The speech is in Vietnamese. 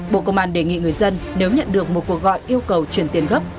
bộ công an đề nghị người dân nếu nhận được một cuộc gọi yêu cầu chuyển tiền gấp